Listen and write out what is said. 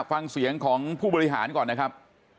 ฟังเสียงของผู้บริหารก่อนนะครับ